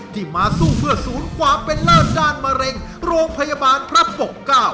ที่มาสู้เพื่อศูนย์ความเป็นเลิศด้านมะเร็งโรงพยาบาลพระปกเกล้า